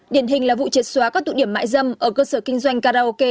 điển hình là vụ triệt xóa các tụ điểm mại dâm ở cơ sở kinh doanh karaoke